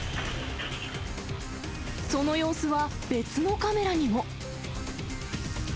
その様子は別のカメラにも。